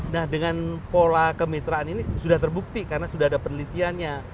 nah dengan pola kemitraan ini sudah terbukti karena sudah ada penelitiannya